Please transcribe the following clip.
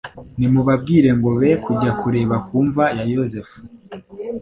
Nimubabwire ngo be kujya kureba ku mva ya Yosefu,